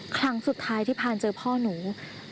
ครั้งสุดท้ายที่พานเจอพ่อหนู